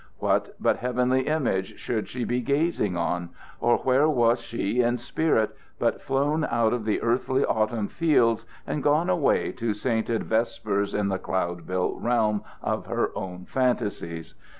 What but heavenly images should she be gazing on; or where was she in spirit but flown out of the earthly autumn fields and gone away to sainted vespers in the cloud built realm of her own fantasies?